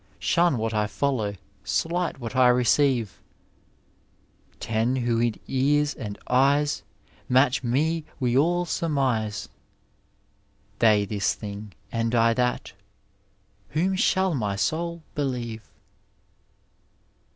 Shun what I follow, slight what I reoeive; Ten, who in ears and eyes Matoh me: we all surmise. They this thing, and I that: whom shall my soul believe?